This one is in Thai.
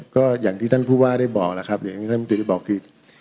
ก็อย่างที่ท่านผู้ว่าได้บอกล่ะครับเดี๋ยวท่านมันจะได้บอกคือ